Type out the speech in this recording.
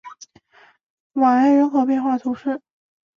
瓦埃人口变化图示